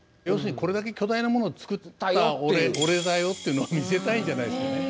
要するにこれだけ巨大な物を造ったよっていう俺だよっていうのを見せたいんじゃないですかね。